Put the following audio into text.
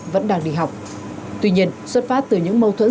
vẫn đang đi học tuy nhiên xuất phát từ những mâu thuẫn